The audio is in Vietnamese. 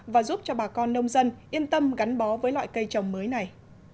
và giúp cho bà con nông dân yên tâm gắn bó với loại cây trồng mới này